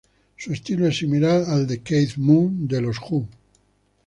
Su estilo es similar al de Keith Moon de los The Who.